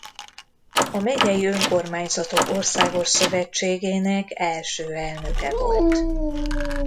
A Megyei Önkormányzatok Országos Szövetségének első elnöke volt.